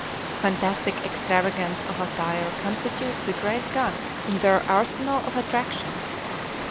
Fantastic extravagance of attire constitutes the great gun in their arsenal of attractions.